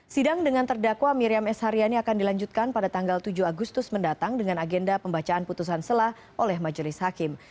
sidang dengan terdakwa miriam s haryani akan dilanjutkan pada tanggal tujuh agustus mendatang dengan agenda pembacaan putusan selah oleh majelis hakim